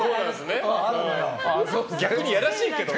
逆にやらしいけどね。